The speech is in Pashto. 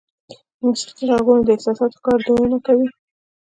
• د موسیقۍ ږغونه د احساساتو ښکارندویي کوي.